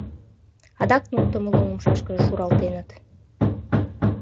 Адак нултымо лум умшашкыже шуралтеныт.